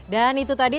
dan itu tadi